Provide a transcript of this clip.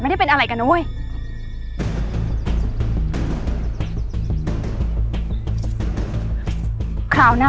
ฉันจะตัดพ่อตัดลูกกับแกเลย